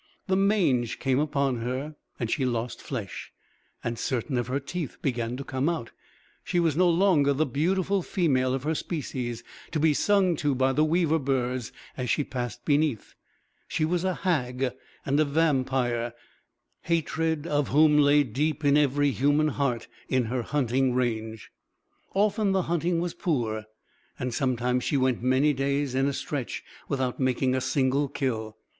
The mange came upon her, and she lost flesh, and certain of her teeth began to come out. She was no longer the beautiful female of her species, to be sung to by the weaver birds as she passed beneath. She was a hag and a vampire, hatred of whom lay deep in every human heart in her hunting range. Often the hunting was poor, and sometimes she went many days in a stretch without making a single kill.